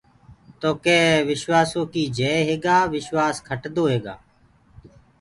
تو ڪي وشواسو ڪي جئي هيگآ وشوآس کٽسو هيگآ۔